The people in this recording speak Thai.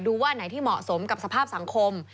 ว่าไหนที่เหมาะสมกับสภาพสังคม